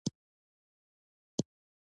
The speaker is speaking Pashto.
خو هغه راژوندي كړئ، بيا مو مړه کوي